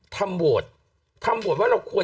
โหวตทำโหวตว่าเราควร